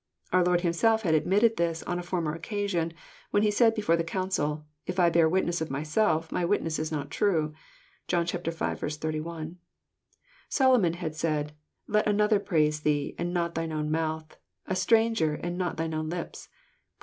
Our Lord Himself had admitted this on a former occa sion, when he said before the council,—" If I bear witness of myself my witness is not true." (John v. 31.) Solomon had said, —" Let another praise thee, and not thine own mouth ; a stranger, and not thine own lips." (Prov.